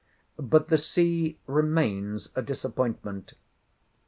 But the sea remains a disappointment.